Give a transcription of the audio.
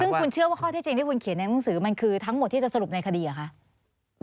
ซึ่งคุณเชื่อว่าข้อที่จริงที่คุณเขียนในหนังสือมันคือทั้งหมดที่จะสรุปในคดีเหรอคะ